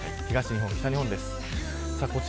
東日本と北日本です。